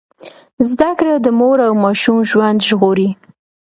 زده کړه د مور او ماشوم ژوند ژغوري۔